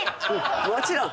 もちろん！